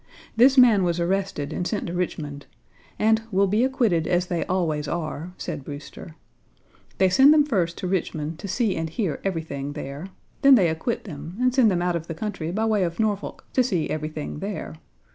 This man was arrested and sent to Richmond, and "will be acquitted as they always are," said Brewster. "They send them first to Richmond to see and hear everything there; then they acquit them, and send them out of the country by way of Norfolk to see everything there.